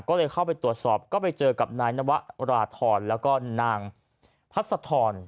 ก็เลยเข้าไปตรวจสอบก็ไปเจอกับนายนวราธรแล้วก็นางพัศธร